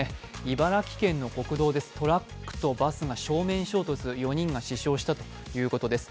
茨城県の国道です、トラックとバスが正面衝突、４人が死傷したということです。